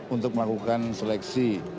untuk melakukan seleksi